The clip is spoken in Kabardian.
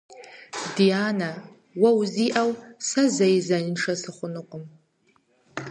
Дянэ, уэ узиӀэу сэ зэи зеиншэ сыхъунукъым.